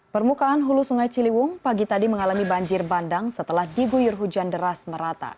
permukaan hulu sungai ciliwung pagi tadi mengalami banjir bandang setelah diguyur hujan deras merata